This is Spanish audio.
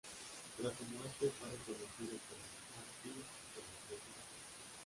Tras su muerte fue reconocido como mártir por la Iglesia católica.